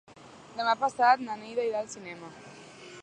Demà passat na Neida irà al cinema.